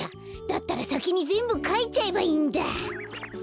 だったらさきにぜんぶかいちゃえばいいんだ。